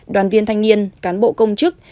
đoàn viên thanh niên cán bộ công chức